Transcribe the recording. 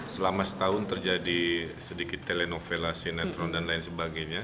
selama setahun terjadi sedikit telenovela sinetron dan lain sebagainya